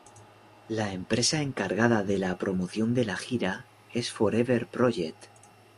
La empresa encargada de la promoción de la gira es Forever Project.